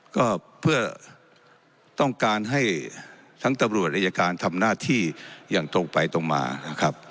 ก็เพื่อต้องการให้ทั้งตำรวจอายการทำหน้าที่อย่างตรงไปตรงมานะครับ